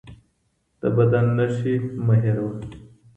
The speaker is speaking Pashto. د بدن نښې مه هېروه